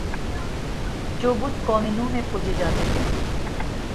جو بت قوم نوح میں پوجے جاتے تھے